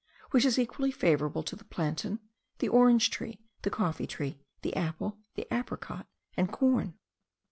which is equally favourable to the plantain, the orange tree, the coffee tree, the apple, the apricot, and corn?